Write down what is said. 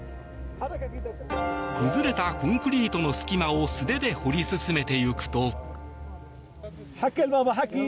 崩れたコンクリートの隙間を素手で掘り進めていくと。